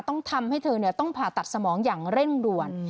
ต้องทำให้เธอต้องผ่าตัดสมองอย่างเร่งด่วน